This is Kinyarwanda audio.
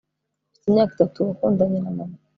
mfite imyaka itatu wakundanye na mama